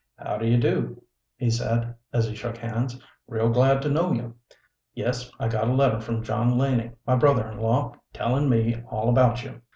"How do you do," he said, as he shook hands. "Real glad to know you. Yes, I got a letter from John Laning, my brother in law, tellin' me all about you.